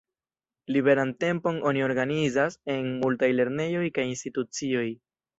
Liberan tempon oni organizas en multaj lernejoj kaj institucioj.